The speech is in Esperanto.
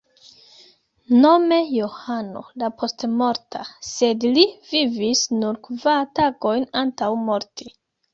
Nome Johano la Postmorta, sed li vivis nur kvar tagojn antaŭ morti.